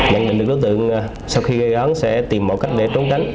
nhận định được đối tượng sau khi gây án sẽ tìm mọi cách để trốn tránh